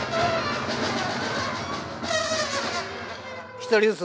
１人ずつ。